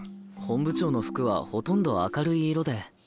本部長の服はほとんど明るい色で。